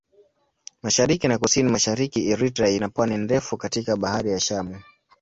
Mashariki na Kusini-Mashariki Eritrea ina pwani ndefu katika Bahari ya Shamu.